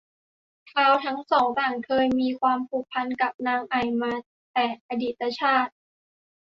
ท้าวทั้งสองต่างเคยมีความผูกพันกับนางไอ่มาแต่อดีตชาติ